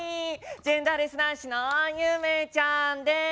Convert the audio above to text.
ジェンダーレス男子の夢ちゃんです。